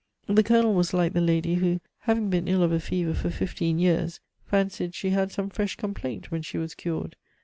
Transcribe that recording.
The colonel was like the lady who, having been ill of a fever for fifteen years, fancied she had some fresh complaint when she was cured.